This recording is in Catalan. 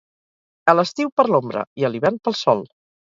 A l'estiu, per l'ombra, i, a l'hivern, pel sol.